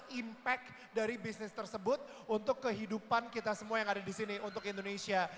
itu juga bisa memiliki impact dari bisnis tersebut untuk kehidupan kita semua yang ada disini untuk indonesia